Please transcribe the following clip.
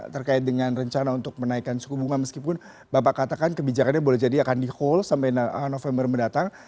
terkait dengan rencana untuk menaikkan suku bunga meskipun bapak katakan kebijakannya boleh jadi akan di hole sampai november mendatang